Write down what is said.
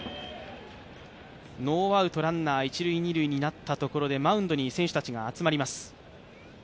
ノーアウトランナー一塁・二塁になったところで、マウンドに選手たちが集まります。